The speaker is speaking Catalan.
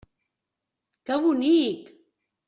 Que bonic!